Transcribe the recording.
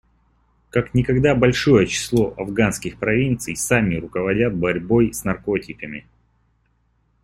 Как никогда большое число афганских провинций сами руководят борьбой с наркотиками.